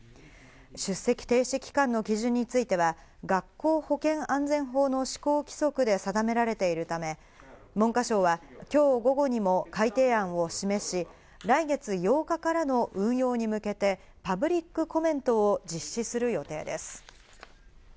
出席停止期間の基準については、学校保健安全法の施行規則で定められているため、文科省は今日午後にも改訂案を示し、来月８日からの運用に向けてパブリックコメントを実施する予定です。